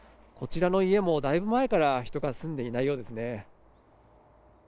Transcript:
こちらの家もだいぶ前から人が住んでいないようですね。